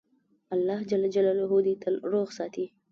الله ج دي تل روغ ساتی